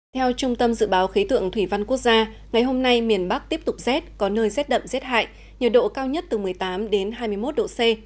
theo trung tâm dự báo khí tượng thủy văn quốc gia ngày hôm nay miền bắc tiếp tục rét có nơi rét đậm rét hại nhiệt độ cao nhất từ một mươi tám đến hai mươi một độ c